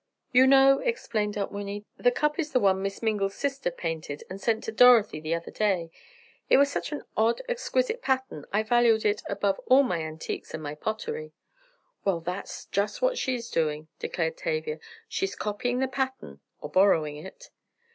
"You know," explained Aunt Winnie, "the cup is the one Miss Mingle's sister painted and sent to Dorothy the other day. It was such an odd, exquisite pattern I valued it above all my antiques and my pottery!" "Well, that's just what's she doing," declared Tavia, "she's copying the pattern or borrowing it."